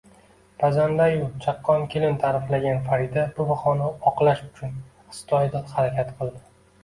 Pazandayu chaqqon kelin ta`riflangan Farida bu bahoni oqlash uchun astoydil harakat qildi